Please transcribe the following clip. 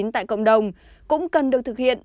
tại cộng đồng cũng cần được thực hiện